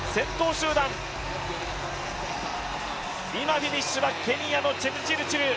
フィニッシュはケニアのチェプチルチル。